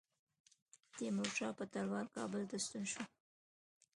تیمورشاه په تلوار کابل ته ستون شو.